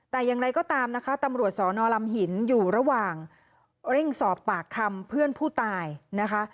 แต่อย่างไรก็ตามนะคะตำรวจสอนอลำหินอยู่ระหว่างเร่งสอบปากคำเพื่อนผู้ตายนะคะ